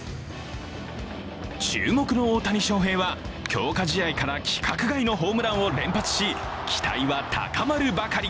注目の大谷翔平は強化試合から規格外のホームランを連発し、期待は高まるばかり。